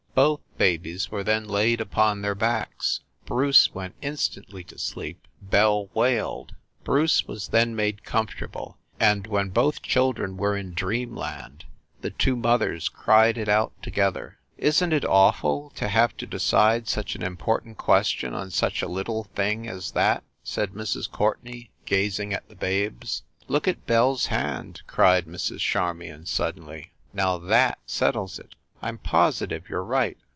Both babies were then laid upon their backs. Bruce went instantly to sleep, Belle wailed. Bruce was then made comfortable, and when both children were in Dreamland the two mothers cried it out together. "Isn t it awful, to have to decide such an impor tant question on such a little thing as that?" said Mrs. Courtenay, gazing at the babes. "Look at Belle s hand!" cried Mrs. Charmion, suddenly. "Now that settles it ! I m positive you re right!